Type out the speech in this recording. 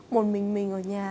một mình mình ở nhà